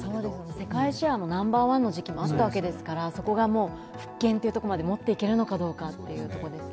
世界シェアナンバーワンの時期もあったわけですから、そこが復権というところまで持って行けるのかどうかというところですね。